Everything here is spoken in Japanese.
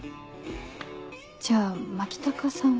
じゃあ牧高さんは。